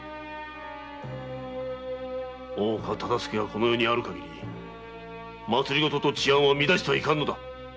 大岡忠相がこの世にある限り政と治安を乱してはいかんのだ！